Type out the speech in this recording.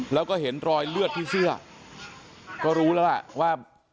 แล้วก็เห็นรอยเลือดที่เสื้อก็รู้แล้วล่ะว่า